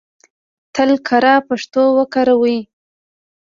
تل کره پښتو وکاروئ!